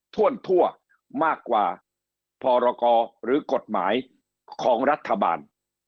ทั่วมากกว่าพรกรหรือกฎหมายของรัฐบาล